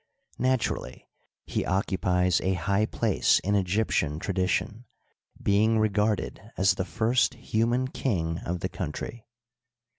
Naturally he occupies a high place in Egyp tian tradition, being regarded as the first human king of the country.